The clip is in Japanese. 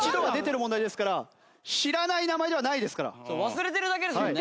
忘れてるだけですもんね。